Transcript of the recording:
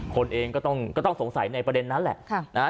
คนเองก็ต้องสงสัยในประเด็นนั้นแหละนะฮะ